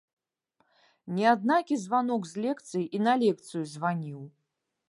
Не аднакі званок з лекцыі і на лекцыю званіў.